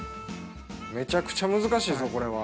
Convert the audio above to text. めちゃくちゃ難しいぞ、これは。